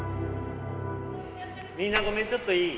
みんなごめんちょっといい？